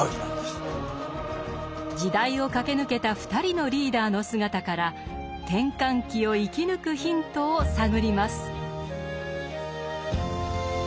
時代を駆け抜けた２人のリーダーの姿から転換期を生き抜くヒントを探ります。